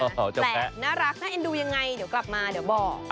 แต่น่ารักน่าเอ็นดูยังไงเดี๋ยวกลับมาเดี๋ยวบอก